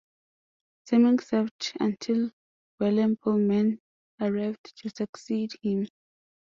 Temminck served until Willem Poolman arrived to succeed him.